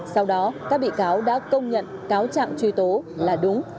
sau đó các bị cáo đã công nhận cáo trạng truy tố là đúng